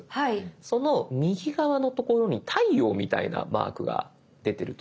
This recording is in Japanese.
その右側の所に太陽みたいなマークが出てると思います。